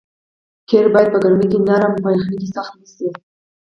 قیر باید په ګرمۍ کې نرم او په یخنۍ کې سخت نه شي